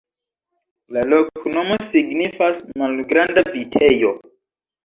La loknomo signifas: malgranda vitejo.